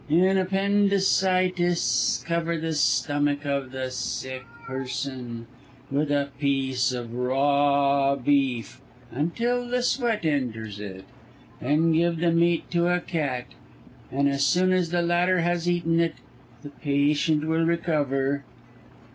"In appendicitis, cover the stomach of the sick person with a piece of raw beef, until the sweat enters it. Then give the meat to a cat, and as soon as the latter has eaten it, the patient will recover."